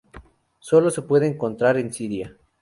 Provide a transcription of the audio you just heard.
Solo se puede encontrar en Siria.